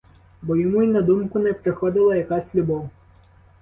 Бо йому й на думку не приходила якась любов.